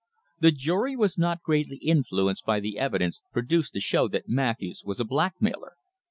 The jury was not greatly influenced by the evidence produced to show that Matthews was a blackmailer.